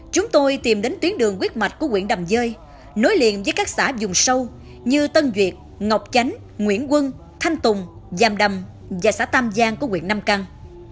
chúng tôi tìm đến tuyến đường quyết mạch của quyện đầm dơi nối liện với các xã dùng sâu như tân duyệt ngọc chánh nguyễn quân thanh tùng giàm đầm và xã tam giang của quyện nam căng